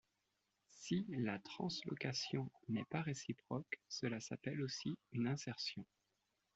Si la translocation n'est pas réciproque, cela s'appelle aussi une insertion.